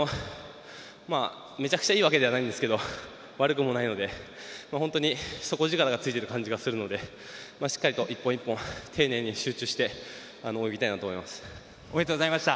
むちゃくちゃいいわけではないですけど悪くもないので本当に底力がついてる感じがするのでしっかりと一本一本丁寧に集中しておめでとうございました。